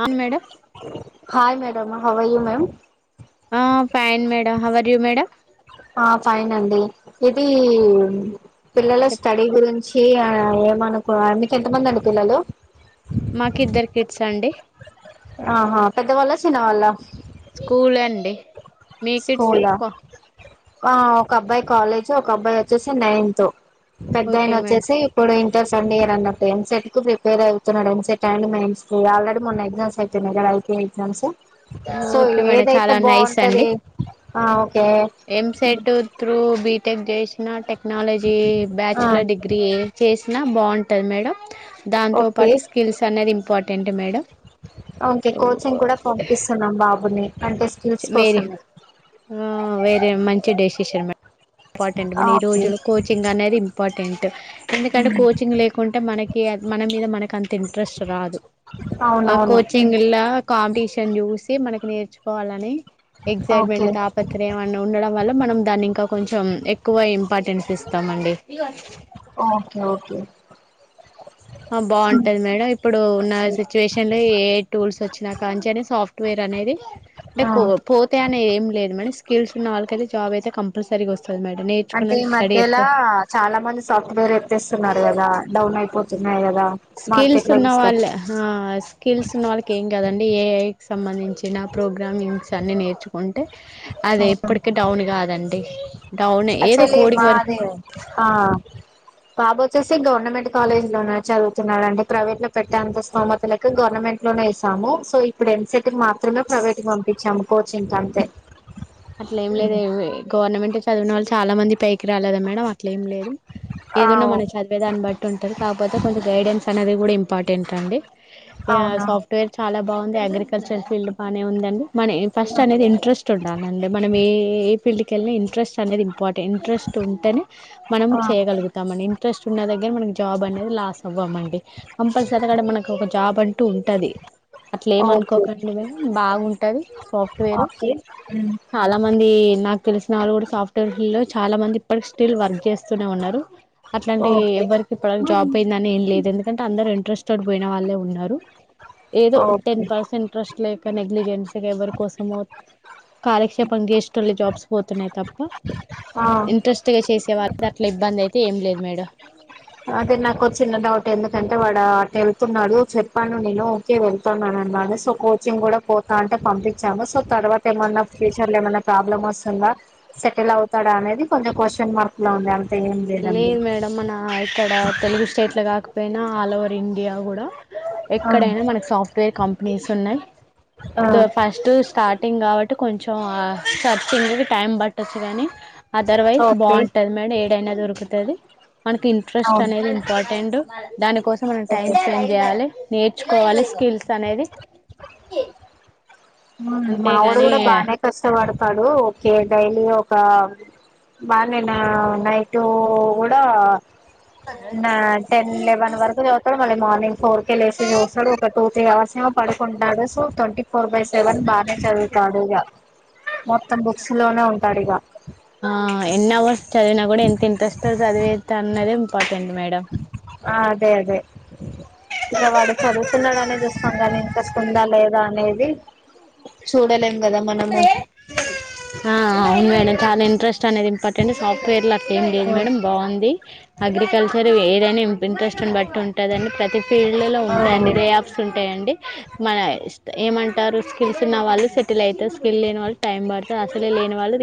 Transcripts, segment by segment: అవును madam hi madam how ma'am ఆ fine madam అవరియుూ madam ఆ ఫైన్ అండి ఇది పిల్లల చెప్ స్టడీ గురించి చే ఏమనుకో మీక ఎంతమంది అండి పిల్లలు మాకు ఇద్దరు కిట్స్ అండి ఆహా పెద్ద వళ చిన్న వళ స్కూల్ అండి మీకిట్స్ స్కూలా ఒక అబ్బాయి కాలేజ్ ఒక అబ్బాయి వచ్చేసి నైన్త్ పెద్దయిన ఓకే మేడం వచ్చేసి ఇప్పుడు ఇ సండ్ ఇయ అన్నడు ఎన్సెట్ కు ప్రిపేర్ అవుతున్నాడు ఎన్సెట్ అండ్ మయిన్స్ ఆల్రెడీ మొన్న ఎగ్జాస్ అవుయిన్నాయి ఎజామ్స్ సో ఓకే మేడం ఏదైతే చాలా నైస్ అండి బాగుంటది ఓకే ఎంసెట్ త్రూ బిటెక్ చేసినా టె క్నాలజీ ఆ బ్యాచులర్ డిగ్రీ చేసినా బాగుంటది మేడం ఓకే దాంతోపాటు స్కిల్స్ అనేది ఇంపార్టెంట్ మేడం ఓకే కోచింగ్ కూడా పంపిస్తున్నాం బాబుని అంటే స్కి ల్స్ వేరే కోసమే ఆ వేరే మంచి డెసిషన్ మేడం ఇంపార్టెంట్ ఆ, మన ఈ ఓకే రోజులు కోచింగ్ అనేది ఇంపార్టెంట్ ఎందుకంటే ఉమ్, కోచింగ్ లేకుంటే మనకి మన మీద మనకి అంత ఇంట్రెస్ట్ రాదు ఆ అవునవును ఎన్- కోచింగ్లా కాంపిటీషన్ చూసి మనకు నేర్చుకోవాలని ఎగ్జైట్మెంట్ ఓకే తాపత్ర యం అన్నీ ఉండడం వల్ల మనం దాన్ని ఇంకా కొంచెం ఎక్కువ ఇంపార్టెన్స్ ఇస్తామండి ఓకే ఓకే ఆ ఉమ్, బాగుంటది మేడం ఇప్పుడు ఉన్న సిచ్యుయేషన్ లో ఏఐ టూల్స్ వచ్చినాకంచని సాఫ్ట్వేర్ అనేది అంటే ఆ కో పోతే అనే ఏం లేదు మేడం స్కిల్స్ ఉన్న వాళ్ళకయితే జాబ్ అయితే కంపల్సరీగా వస్తుంది మేడం అంటే నేర్చుకున్న ఈ స్టడీ మధ్యలా ఎప్పుడు చాలా మంది సాఫ్ట్వేర్ ఎత్తేస్తున్నారు కదా డౌన్ అయిపోతు స్కిల్స్ ఉన్నవాళ్లే హా స్కిల్స్ ఉన్న వాళ్ళకి ఏం కాదండి ఏఐ కి సంబంధించిన ప్రోగ్ గ్రామిన్స్ అన్ని నేర్చుకుంటే అది ఎప్పటికీ డౌన్ కాదండి డౌన్ ఏదో అక్చుఅల్లీ కోడింగ్ వరకు మాది ఆ బాబు వచ్చేసి గవర్నమెంట్ కాలేజ్ లో ఉ చదువుతున్నాడు అంటే ప్రైవేట్ లో పెట్టే అంత స్తోమత లక గవర్నమెంట్ మెంట్ లోనే వేసాము సో ఇప్పుడు ఎమ్సెట్ కి మాత్రమే ప్రైవేట్ కి పంపించాము కోచింగ్ అంతే అట్ల ఏం లేదు గవర్నమెంట్ చదివిన వాళ్ళు చాలా మంది పైకి రాలేదా మేడం అట్లేం లేదు ఆ ఏదన్నా మనం చదివే దాన్ని బట్టి ఉంటారు కాకపోతే కొంచెం గైడెన్స్ అనేది కూడా ఇంపార్టెంట్ అండి ఆ అవునా సాఫ్ట్వేర్ చాలా బాగుంది అగ్రికల్చర్ ఫీల్డ్ బాగానే ఉందండి మన ఫస్ట్ ఆ అనేది ఇంట్రెస్ట్ ఉండాలి అండి మనం ఏ ఫీల్డ్ కి వెళ్నా ఇంట్రెస్ట్ అనేది ఇంపార్టెంట్ ఇంట్రెస్ట్ ఉంటేనే మనం ఆ, చేయగలుగుతాంం ఇంట్రెస్ట్ ఉన్న దగ్గర మనకి జాబ్ అనేది లాస్ట్ అవ్వమండి కంపల్సరీ అక్కడ మనకు ఒక జాబ్ అంటూ ఉంటది అట్లే ఏమ ఓకే అనుకోకండి మేము బాగుంటది సాఫ్ట్ వేరు ఓకే ఉమ్, చాలా మంది నాక్ తెలిసిన వాళ్ళు కూడా సాఫ్ట్వేర్ లో చాలా మంది ఇప్పటికి స్టిల్ వర్క్ చేస్తూనే ఉన్నారు అట్లాంటి ఓకే ఎవ్వరికీ ప్రన్ట్ జాబ్ పోయిందని ఏం లేదు ఎందుకంటే అందరుూ ఇంట్రెస్టెడ్ పోయిన వాళ్ళే ఉన్నారు ఏదో టెన్ ఓకే పర్సెంట్ ఇంట్రెస్ట్ లేక నెగ్లిజెన్స్గా ఎవరి కోసమో కాలక్షేపం చేసేటోళ్ళకు జాబ్స్ పోతున్నాయి తప్ప ఆ ఇంట్రెస్ట్ గా చేసే వాళ్ గట్ల ఇబ్బంది అయితే ఏం లేదు మేడం అదే నాకు చిన్న డౌట్ ఎందుకంటే వాడు అటు వెళ్తున్నాడు చెప్పాను నేను ఓకే వెళ్తుాన్నాన న్నా సో కోచింగ్ కూడా పోతా అంటే పంపించాము సో తర్వాత ఏమన్నా ఫ్యూచర్ లో ఏమైన్నా ప్రాబ్లమ్ వస్తున్నా సెటిల్ అవుతాడు అనేది కొంచం క్వ్చన్ మార్క్ లో ఉంది అ లేదు మేడం మన ఇక్కడ తెలుగు స్టేట్ల కాకపోయినా ఆల్ ఓవర్ ఇండియా కూడా ఆ ఎక్కడైనా మన కు సాఫ్ట్వేర్ కంపెనీస్ ఉన్నాయి ఆ, ద ఫస్ట్ స్టార్ట్ టింగ్ కాబట్టి కొంచెం సార్ర్చింగ్కి టైం పట్టొచ్చు కానీ అదర్ వైజ్ ఓకే బాగుంటది మేడం ఏ తది మనకి ఇంట్రెస్ట్ అవును అనేది ఇంపార్టెంట్ దాని కోసం మనం టైం ఓకే స్పెండ్ చేయాలే నేర్చుకోవాలే స్కిల్స్ అనేది మావో డు అంతేగాని కూడా బాగానే కష్టపడతాడు ఓకే డైలీ ఒక వాడ్ నిన్న నైట్ ఉ కూడా నా టెన్ వెన్ వరకు జత మ మర్నింగ్ ఫోర్ కేె లేసి చూస్తాడు ఒక టూ త్రీ అవర్స్ ఏమో పడుకుంటాడు so twenty four by seven బాగానే చదువుతాడు ఇక మొత్తం బుక్స్ లోనే ఉంటాడు ఇక ఆ ఎన్ని అవర్స్ చదివినా కూడా ఎంత ఇంట్రెస్ట్ చది అన్నదే ఇంపార్టెంట్ మేడం ఆ అదే అదే ఇక వాడు చదువుతున్నాడు అనేది వస్తాం కాగానీ ఇంకా స్కుందా లేదా అనేది చూడల ఎం ఆ అవును మేడం చాలా ఇంట్రెస్ట్ అనేది ఇంపార్టెంట్ సాఫ్ట్వేర్ లో ఏం లేదు మేడం బాగుంది అగ్రికల్చర్ వదని ఇంట్రెస్ట్ని బట్టి ఉంటుందిని ప్రతి ఫీల్డ్ లో ఆ ఉంటాయిడి లే ఆప్్స్ ఉంటాయండి మన ఇ ఏమంటారు స్కిల్స్ ఉన్న వాళ్ళు స అయి స్కిల్ లేని వాళ్ళు టైం పడుతారు అసలే లేని వాళ్ళు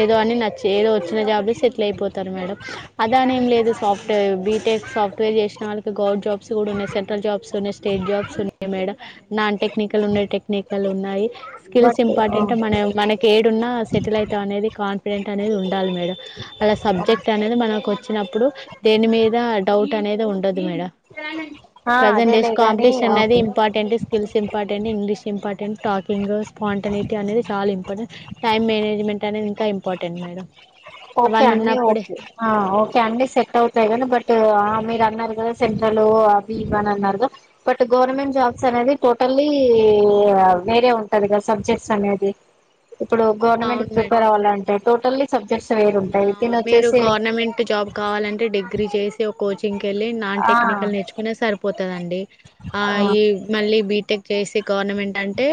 ఏదో అని నచ్చి ఏదో వచ్చిన జాబ్లో అయిపోతారు మేడం అదానే ఏం లేదు సాఫ బీటెక్ సాఫ్ట్వేర్ చేసిన వాళ్ళకి గవర్నం జాబ్స్ కూడా ఉన్నాయి సెంట్రల్ జాబ్స్ ఉన్నాయి స్టేట్ జాబ్స్ ఉన్నాయి మేడం నాన్ టెక్నికల్ ఉన్నాయి టెక్నికల్ ఉన్నాయి స్కిల్స్ బట్ ఇంపార్టెంట్ మన మనకి ఏడు ఉన్నా సెటిల్ అవుతా అనేది కాన్ఫిడెంట్ అనేది ఉండాలి మేడం అలా సబ్జెక్ట్ అనేది మనకు వచ్చినప్పుడు దేని మీద డౌట్ అనేది ఉండదు మేడ ఆ ప్రెజెంట్ డేస్ అదేలే గాని కాంపిటీషన్ అనేది okay important skills important English important talkings పాంటనీటి అనేది చాలా ఇంపార్టెంట్ టైమ్ మేనేజ్మెంట్ అనేది ఇంకా ఇంపార్టెంట్ మేడం ఓకే అవన్నీ అన్న ఉన్నప్పుడే ఓకే ఓకే అన్నిీ సెట్ అవుతాయి కానీ బట్ ఆ మీద కదా సెంట్రల్ అ ఇవని అన్నారు కా బట్ గవర్నమెంట్ జాబ్స్ అనేది టోటల్లీ వేరే ఉంటది కదా సబ్జెక్ట్స్ అనేది ఇప్పుడు గవర్నమెంట్ అవును మేడం ప్రిపేర్ అవ్వాలంటే టోటల్లీ సబ్ మీరు గవర్నమెంట్ జాబ్ కావాలంటే డిగ్రీ చేసి ఒక కోచింగ్ ళ్ళ నాన్ ఆ టెక్నికల్ నేర్చుకునే సరిపోతుందిండి ఆ మళ్ళ బిటెక్ చే గవర్నమెంట్ అంటే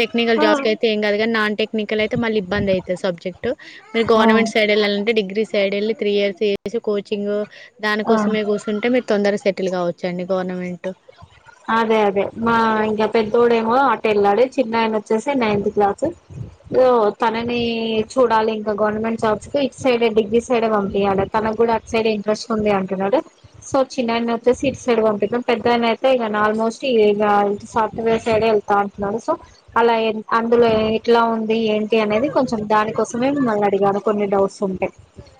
టెక్నికల్ జాబ్స్ క అయితే ఏం కాదునీ నాన్ టెక్నికల్ అయితే మళ్ళీ ఇబ్బంది అవుతుంది సబ్జెక్ట్ మ ఆ గవర్నమెంట్ పల్లాలంటే డిగ్రీ సైడ్ వెళ్ళి త్రీ ఇయర్స్ చేసి కోచింగ్ దాని ఆ కోసమే కూర్చుంటే మీరు తొందరగా సెటిల్ కావచ్చుండి గవర్నమెంట్ అదే అదే మా ఇంకా పెద్దోడేమో ఆట వెళ్ళాడు చిన్న ఆయన వచ్చేసి నైన్త్ క్లాస్ తనని చూడాలి ఇంకా గవర్నమెంట్ జాబ్స్ కు ఇ సైడ్ డిగ్రీ సైడ్ పంపించాల మన కూడా అ సైడ్ ఇంట్రెస్ట్ ఉంది అంటున్నాడు సో చిన్న అయితే సిట్ సైడ్ పంపిం పెద్ద అయి అేగాని ఆల్మోస్ట్ ఇ సాఫ్ట్వేర్ సైడ్ వెళ్తా అంటున్నారు సో అలా అందులో ఇట్లా ఉ ఏంటి అనేది కొంచెం దాని కోసమే మిమ్మల్ని అడిగాను కొన్ని డౌట్స్ ఉంటాయి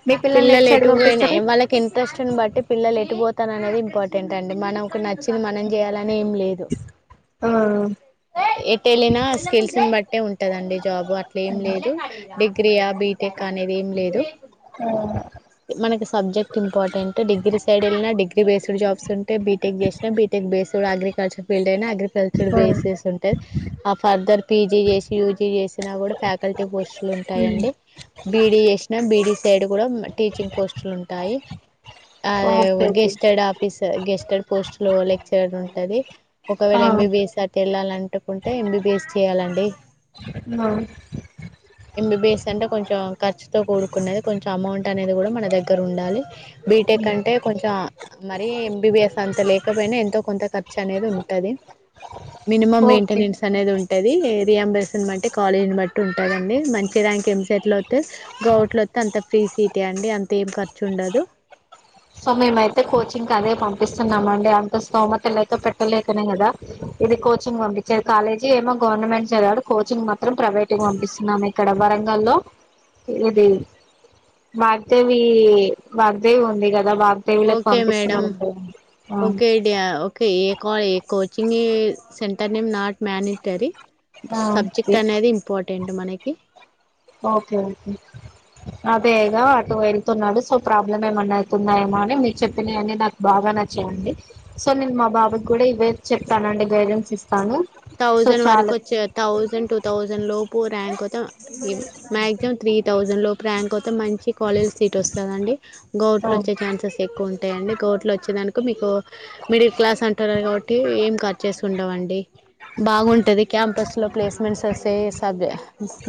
మీ పిల్లల్ని పిల్లలు సైడ్ ఎటు పోయినాయి పంపిస్తారు వాళ్ళకి ఇంట్రస్ట్ని బట్టి పిల్లలు ఎటు పోతాన అనేది ఇంపార్టెంట్ అండి మనం ఒక నచ్చింది మనం చేయాలని ఏం లేదు ఆ ఆ ఎట్ వెళ్ళినా స్కిల్స్ని బట్టే ఉంటందండి జాబ్ు అట్ల ఏం లేదు డిగ్రీయా బీటెక్ అని అదిేం లేదు మనకి సబ్జెక్ట్ సజాప్సన్ ంటే బీటెక్ చేసినా బీటెక్ బేస్డ్ అగ్రికల్చర్ ఫీల్డ్ అయినా అగ్రికల్చర్ బేసెస్ ఉంటాది ఆ ఫర్ ఇద్దరు పీజీ చేసి యూజీ చేసినా కూడా ఫ్యాకల్టీ పోస్టులు ఉంటాయండి బీడీ చేసినా బీడీ సైడ్ కూడా టీచింగ్ పోస్టులు ఉంటాయి అదే okay gazetted office gazetted post లో లెక్చరర్ ఉంటది ఒకవేళ ఓకే ఎంబీబిఎస్ అటి వెళ్ళాలింటుకుంటే ఎంబీబిఎస్ చెయాలండి ఇం బేసంట కొంచెం కర్చ తో కూడుకునేది కొంచెం అమౌంట్ అనేది కూడా మన దగ్గర ఉండాలి బీటెక్ అంటే కొంచెం మరిీ ఎంబీబిఎస్ అంత లేకపోయినా ఎంతో కొంత ఖర్చు అనేది ఉంటది. మినిమం ఓకే మెయింటెనెన్స్ అనేది ఉంట ది రింబర్స్మెంట్ కాలేజ్ ని బట్టి ఉంటదండి. మంచి ర్యాక్ ఎంసెట్ లో గౌట్లు వస్తతే అంత ఫ్రీ సీటే అండి అంత ఏం ఖర్చు ఉండదు. సో మేమైతే కోచింగ్ కు అదే పంపిస్తున్నామ అండి. అంత స్థోమత లేక, పెట్టలేకనే కదా ఇది కోచింగ్ పంపించదికాలేజీ ఏమో గవర్నమెంట్ చదివాడు కోచింగ్ మాత్రం ప్రైవేట్ పంపిస్తున్నాం ఇక్కడ వరంగల్లో ఇది వాగ్దేవి వాగ్దేవి ఉంది గ ఓకే మేడం ఓకే డి ఓకే ఏమో coaching centre name not monetary subject okay అనేది ఇంపార్టెంట్ మనకి ఓకే అం అదేగా అటు వెళ్తున్నాడు. సో ప్రాబ్లమ్ ఏమన్నా అయితున్నాయోమో అని మీరు చెప్పినవి అని నాకు బాగా చేయండి సో నేను మా బాబుకి కూడా ఇవే చెప్తానండి. గైడెన్స్ ఇస్తాను. సో థౌజండ్ వరకు చాలు వచ్చే థౌజండ్ టూ థౌజండ్ లోపు ర్యాంక్ వ మొత్త మ్యాక్సిమం త్రీ థౌజండ్ లోపు ర్యాంక్ వతే మంచి కాలేజీ సీట్ వస్తుంద అండి. గౌట్లు వచ్చే ఛాన్సెస్ ఎక్కువ ఉంటాయి అండి. గౌట్లు వచ్చేదానికి మీకు మిడిల్ క్లాస్ అంటరు కాబట్టి ఏం ఖర్చ చేసుంకుంటావండి. బాగుంటది క్యాంపస్ లో ప్లేస్మెంట్స్ వస్తే సబ్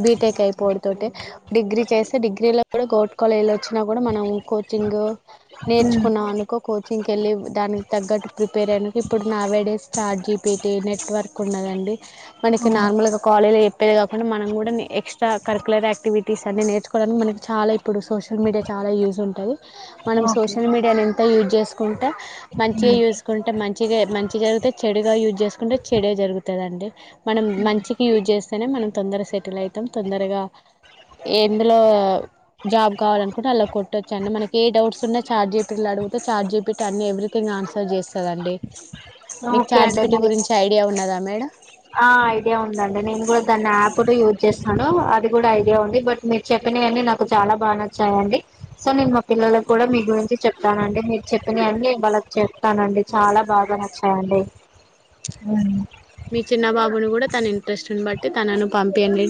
బీటెక్ అయిపోడుతుటే డిగ్రీ చేస్తే డిగ్రీలో కూడా గౌర్ట్ కాలేలో వచ్చినా కూడా మనం కోచింగ్ నేర్చుకున్నాం అనుకో కోచింగ్ వెళ్ళి దానికి తగ్గట్టు ప్రిపేర్ అయిన ఇప్పుడు nowadays start GPT network ఉన్నదండి. మనకి నార్మల్గా కాల ఎ అంతే కాకుండ మనం కూడా ఎక్స్ట్రా కరికులర్ యాక్టివిటీస్ అన్న నేర్చుకోవడానికి మనకి చాలా ఇప్పుడు సోషల్ మీడియా చాల చాలా యూజ్ ఉంటది. మనం ఓకే సోషల్ మీడియాని ఎంత యూజ్ చేసుకుంటే మంచిగా యూసుకుంటే మంచిగా మంచిగా జరిగితే చెడుగా యూజ్ చేసుకుంటే గుతదిండి మనం మంచికి యూజ్ చేస్తేనే మనం తొందరగా సెటిల్ అయితాం. తొందరగా ఇందులో జాబ్ కావాలనుకుంటే అలా కొట్టొచ్చండి. మనకి ఏ డౌట్స్ ఉన్నా చార్జీపీలు అడిగితే చార్జేపీటి అన్ని ఎవ్రీథింగ్ ఆన్సర్ చేస్తుందండి. మీకు ఓకే ఛాట్ అండి జీపీటీ మరి గురించి ఐడియా ఉన్నదా మేడం ఆ ఐడియా ఉందండి. నేను కూడా దాన్ని యాప్ను యూజ్ చేస్ ను అది కూడా ఐడియా ఉంది బట్ మీరు చెప్పినవివన్నీ నాకు చాలా బాగా నచ్చాయం సో నేను మా పిల్లలలకు కూడా మీ గురించి చెప్తానండి. మీరు చెప్పిన అన్నీ వాళ్ళకి చెప్తానండి. చాలా బాగా నచ్చాయండి. మీ చిన్న బాబును కూడా తన ఇంట్రెస్ట్ని బట్టి తనను పంపియండి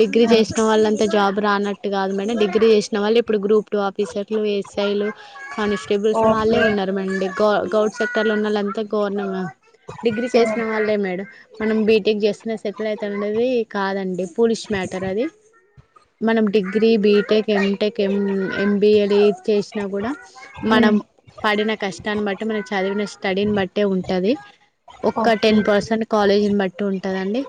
డిగ్రీ చేసిన వాళ్ళం ఇ జాబ్ రానట్టు కాదు మేడం. డిగ్రీ చేసిన వాళ్లు ఇప్పుడు గ్రూప్ టూ ఆఫీసర్లు ఏ ఎస్ఐలు కానిస్టేబుల్స్ వాళ్ళే ఓకే ఉన్నారు మండి గ గవర్ సెక్టర్ లో ఉన్నళ్ంతా గవర్న డిగ్రీ సేసిన వాళ్లే మేడం మనం బీటెక్ చేస్తు సెటిల్ అయితుండది కాదండి ఫూలిష్ మ్యాటర అది డిగీ డిగ్రీ, బీటెక్, ఎంటెక్, ఎం ఎంబిఏ ఇది చేసినా కూడా ఉమ్ మనం పడిన కష్టాన్ని బట్టి మన చదివిన స్టడీని బట్టే ఉంటది ఒక్క ఓకే టెన్ పర్సెంట్ కాలేజ్ ని బట్టి ఉంటదండి.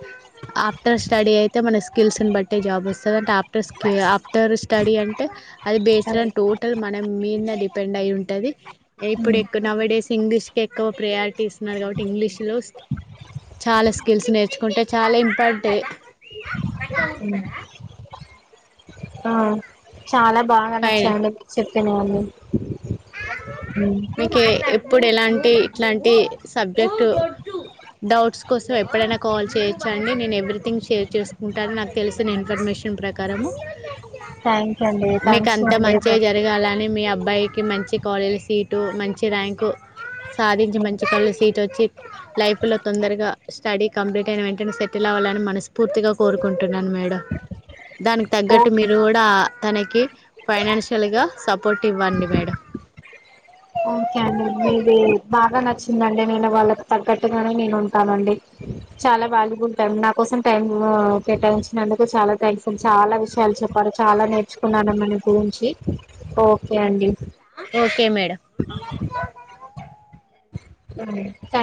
ఆఫ్టర్ స్టడీ అయితే మన స్కిల్స్ ను బట్టి జాబ్ వస్తుంది. ఆఫ్టర్ స్క ఆఫ్టర్ స్టడీ అంటే అది బేస్డ్ అని టోటల్ మన మీద డిపెండ్ అయి ఉం టది ఇప్పుడు ఉమ్ ఎక్కువ నవడేస్ ఇంగ్లీష్ కే ఎక్కువ ప్రియారిటీ ఇస్తున్నారు కాబట్టి ఇంగ్లీష్ లో చాలా స్కిల్స్ నేర్చుకుంటే చాలా ఇంపార్టెంట్ ఉ ఆ చాలా బాగా నచ్చాయండి మీ చెప్పినవన్ని మీక ఎప్పుడు ఎలాంటి ఇట్లాంటి సబ్జెక్టు డౌట్స్ కోసం ఎప్పుడైనా కాల్ చేయొచ్చ అండి నేను ఎ ఎవీథింగ్ షేర్ చేసుకుంటారు నాకు తెలిసిన ఇన్ఫర్మేషన్ ప్రకారము థ్యాంక్స్ అండి మీకు థ్యాంక్స్ అంత అండి మంచిగా మరి, జరగాలని మీ అబ్బాయి బైకి మంచి కాలేజీ సీటు మంచి ర్యాంకు సాధించే ఉమ్, మంచి కళ్ళు సీట్ వచ్చి లైఫ్లో తొందరగా స్టడీ కంప్లీట్ అయిన వెంటనే సెటిల్ అవ్వాలని మనస్ఫూర్తిగా కోరుకుంటున్నాను మేడమ్ దానికి తగ్గట్టు ఓకే మీరు కూడా తనకి ఫైనాన్షియల్ గా సపోర్ట్ ఇవ్వండి మేడం ఓకే అండి మీది బాగా నచ్చిందండి నేను వాళ్ళకు తగ్గట్టుగానే నేను ఉంటానండి చాలా వాల్యూబుల్ టైమ్ నా కోసం టైమ్ కేటాయించినందుకు చాలా థ్యాంక్స్ అండి చాలా విషయాలు చెప్పారు చాలా నేర్చుకున్నాను మన గురించి ఓకే అండి ఓకే మేడం ఊ ట్యాన్